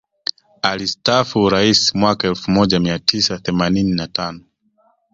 alistafu uraisi mwaka elfu moja mia tisa themanini na tano